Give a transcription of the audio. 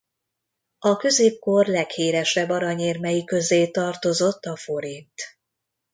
A középkor leghíresebb aranyérmei közé tartozott a forint.